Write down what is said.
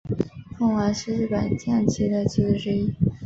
凤凰是日本将棋的棋子之一。